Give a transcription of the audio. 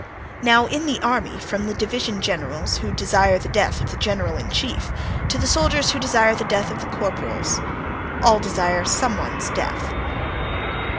Now in the army, from the division generals who desire the death of the general in chief, to the soldiers who desire the death of the corporals, all desire some one's death.